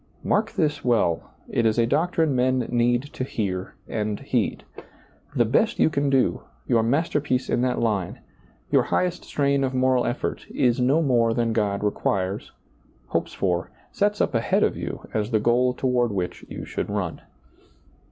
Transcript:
Mark this well ; it is a doctrine men need to hear and heed. The best you can do, your master piece in that line, your highest strain of moral effort, is no more than God requires, hopes for, sets up ahead of you, as the goal toward which you should run.